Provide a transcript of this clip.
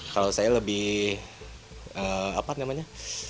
kalau saya lebih apa namanya